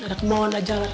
ada kemauan ada jalan